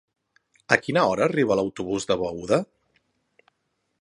A quina hora arriba l'autobús de Beuda?